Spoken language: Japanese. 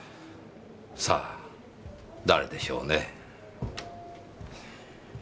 さあ誰でしょうね。